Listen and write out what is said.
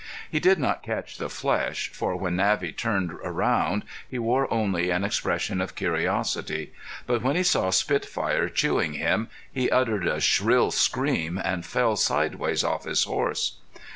He did not catch the flesh, for when Navvy turned around he wore only an expression of curiosity. But when he saw Spitfire chewing him he uttered a shrill scream and fell sidewise off his horse.